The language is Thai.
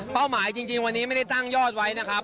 หมายจริงวันนี้ไม่ได้ตั้งยอดไว้นะครับ